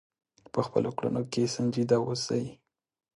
په خپلو کړنو کې سنجیده اوسئ.